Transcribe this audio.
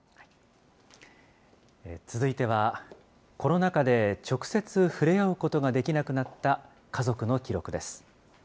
続いては、コロナ禍で直接触れ合うことができなくなった家族の記録です。